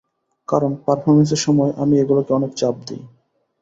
কারণ পারফরম্যান্সের সময় আমি এগুলোকে অনেক চাপ দেই।